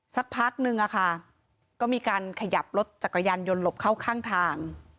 บุญโยงขับมาเร็วจนแบบนี่